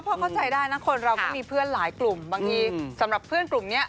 เข้าใจได้นะคนเราก็มีเพื่อนหลายกลุ่มบางทีสำหรับเพื่อนกลุ่มนี้